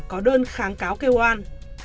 có đơn kháng cáo kêu an